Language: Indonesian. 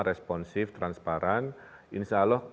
responsif transparan insya allah